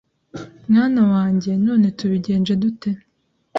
Mwana wanjye none tubigenje dute